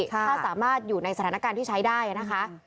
ถ้าสามารถอยู่ในสถานการณ์ที่ใช้ได้นะคะ